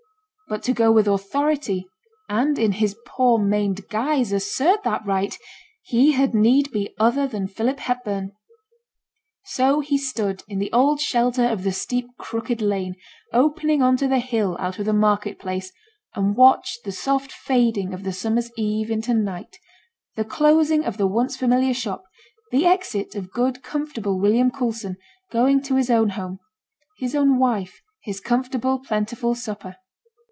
But to go with authority, and in his poor, maimed guise assert that right, he had need be other than Philip Hepburn. So he stood in the old shelter of the steep, crooked lane opening on to the hill out of the market place, and watched the soft fading of the summer's eve into night; the closing of the once familiar shop; the exit of good, comfortable William Coulson, going to his own home, his own wife, his comfortable, plentiful supper.